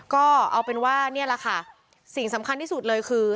ก็เอาเป็นว่านี่แหละค่ะสิ่งสำคัญที่สุดเลยคือ